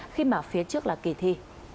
khi mà phía trước là kỳ thi